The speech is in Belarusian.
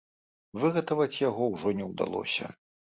Выратаваць яго ўжо не ўдалося.